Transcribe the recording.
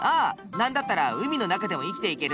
何だったら海の中でも生きていける。